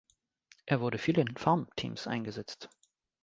Er wurde viel in Farmteams eingesetzt.